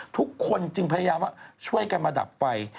ทุกคนจึงพยายามว่าช่วยกันมาดับไฟ